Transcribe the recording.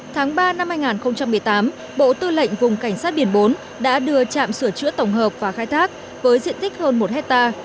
tháng ba năm hai nghìn một mươi tám bộ tư lệnh vùng cảnh sát biển bốn đã đưa trạm sửa chữa tổng hợp và khai thác với diện tích hơn một hectare